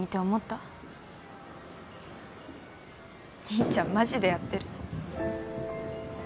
兄ちゃんマジでやってる。